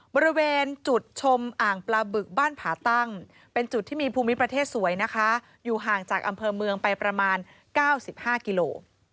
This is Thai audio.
บริเวณจุดชมอ่างปลาบึกบ้านผาตั้งเป็นจุดที่มีภูมิประเทศสวยนะคะอยู่ห่างจากอำเภอเมืองไปประมาณ๙๕กิโล